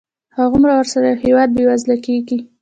هغومره ورسره یو هېواد بېوزله کېږي.